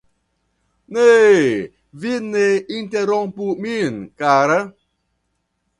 Ne, vi ne interrompu min, kara !